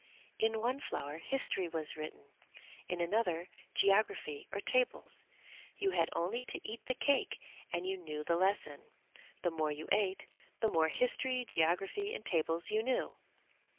In one flower history was written, in another geography or tables; you had only to eat the cake and you knew the lesson. The more you ate, the more history, geography and tables you knew.